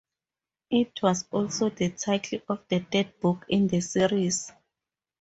It was also the title of the third book in the series.